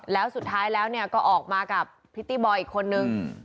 แล้วสุดท้ายแล้วก็ออกมากับพิตตี้บอยอีกคนนึง